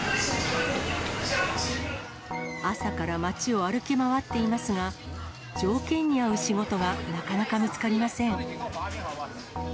朝から町を歩き回っていますが、条件に合う仕事がなかなか見つかりません。